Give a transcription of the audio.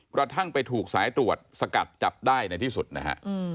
กระทั่งไปถูกสายตรวจสกัดจับได้ในที่สุดนะฮะ